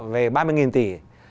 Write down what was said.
về ba mươi tỷ